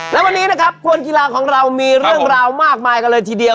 และวันนี้นะครับคนกีฬาของเรามีเรื่องราวมากมายกันเลยทีเดียว